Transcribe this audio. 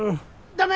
ダメ！